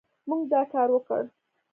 موږ دا کار وکړ